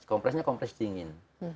kompresnya kompres dingin